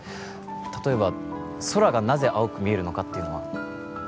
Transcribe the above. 例えば空がなぜ青く見えるのかっていうのは